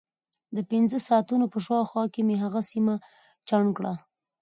د پنځه ساعتونو په شاوخوا کې مې هغه سیمه چاڼ کړه.